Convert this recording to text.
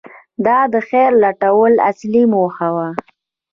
• دا د خیر لټول اصلي موخه وه.